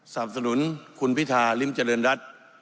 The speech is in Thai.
สนับสนุนคุณพิธาริมเจริญรัฐ